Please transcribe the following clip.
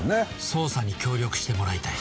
捜査に協力してもらいたい。